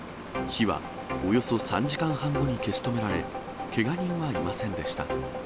火はおよそ３時間半後に消し止められ、けが人はいませんでした。